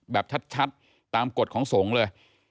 แบบชัดตามกฎของสงฆ์เลย